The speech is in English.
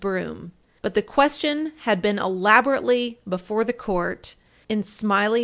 Broom, but the question had been elaborately before the Court in Smiley v.